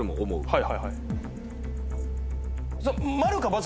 はい。